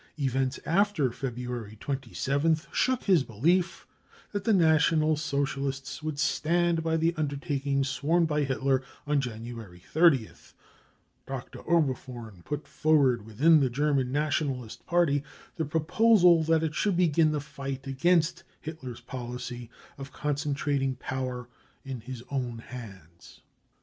Events after February 27th shook his belief that the National f r THE REAL INCENDIARIES 127 I Socialists would stand by the undertaking sworn by Hitler on January 30th. Dr. Oberfohren put; forward within the , German Nationalist Party the proposal that it should begin the fight against Hitler's policy of concentrating power in ' his own hands.